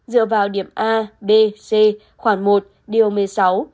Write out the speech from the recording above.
dựa vào điểm a b c khoảng một điều một mươi sáu